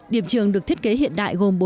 điểm trường được thiết kế hiện đại gồm